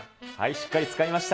しっかり使いました。